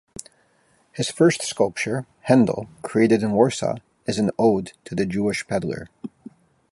His first sculpture "Hendel," created in Warsaw, is an ode to the Jewish peddler.